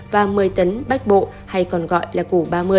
và một mươi tấn bách bộ hay còn gọi là củ ba mươi